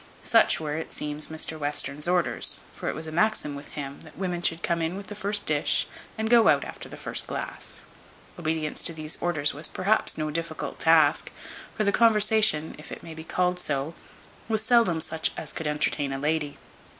Such were, it seems, Mr Western's orders; for it was a maxim with him, that women should come in with the first dish, and go out after the first glass. Obedience to these orders was perhaps no difficult task; for the conversation (if it may be called so) was seldom such as could entertain a lady.